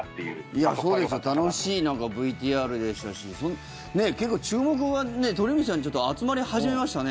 いや楽しいＶＴＲでしたし結構、注目がね、鳥海さんにちょっと集まり始めましたね。